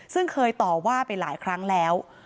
ซึ่งเคยต่อว่าไปหลายครั้งแล้ว